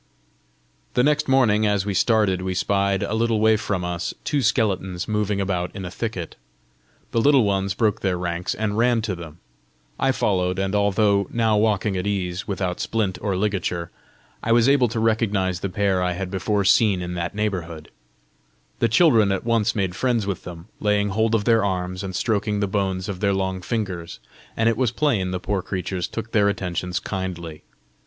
The next morning, as we started, we spied, a little way from us, two skeletons moving about in a thicket. The Little Ones broke their ranks, and ran to them. I followed; and, although now walking at ease, without splint or ligature, I was able to recognise the pair I had before seen in that neighbourhood. The children at once made friends with them, laying hold of their arms, and stroking the bones of their long fingers; and it was plain the poor creatures took their attentions kindly.